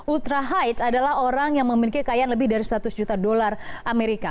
ultra high adalah orang yang memiliki kekayaan lebih dari seratus juta dolar amerika